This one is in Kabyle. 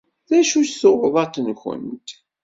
D acu-tt tuɣdaḍt-went?